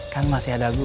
kan masih ada gue